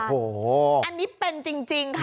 อันนี้เป็นจริงค่ะ